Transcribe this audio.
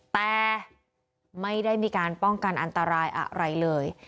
แต่ไม่ได้มีการป้องกันอันตรายอะไรเลย